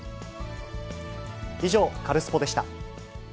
以上、カルスポっ！でした。